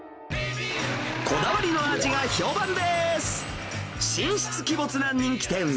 こだわりの味が評判です、神出鬼没な人気店！